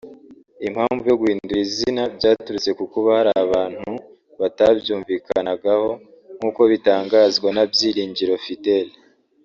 Impamvu yo guhindura izina byaturutse ku kuba hari abantu batabyumvikanagaho; nk’uko bitangazwa na Byiringiro Fidele